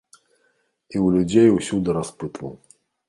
І ў людзей усюды распытваў.